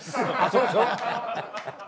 そうでしょ？